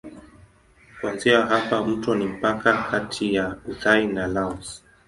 Kuanzia hapa mto ni mpaka kati ya Uthai na Laos.